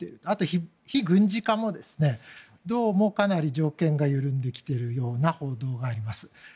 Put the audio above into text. あと非軍事化もどうもかなり条件が緩んできているような報道があります。